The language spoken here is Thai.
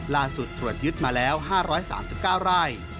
ล่าสุดตรวจยึดมาแล้ว๕๓๙ไร่